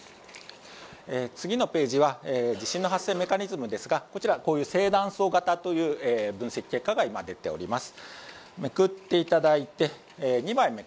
次のページは地震の発生メカニズムですがこちら、こういう正断層型という分析結果が出ております。